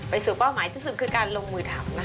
ไปสู่เป้าหมายที่สุดคือการลงมือถังนะครับ